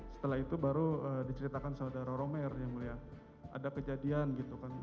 setelah itu baru diceritakan saudara romer yang mulia ada kejadian gitu kan